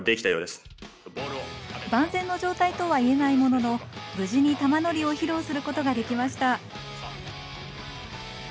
万全の状態とはいえないものの無事に玉乗りを披露することができました。